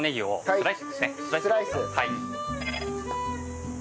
スライス。